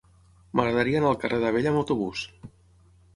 M'agradaria anar al carrer d'Abella amb autobús.